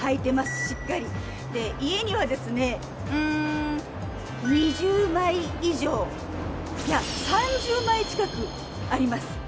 家にはですねうん２０枚以上いや３０枚近くあります。